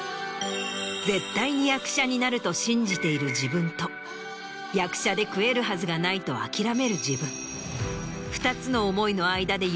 「絶対に役者になる」と信じている自分と「役者で食えるはずがない」と諦める自分。